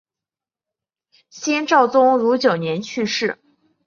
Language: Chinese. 先赵宗儒九年去世。